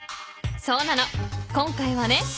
そうなの今回はね